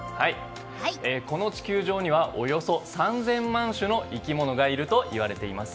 この地球上にはおよそ３０００万種の生き物がいるといわれています。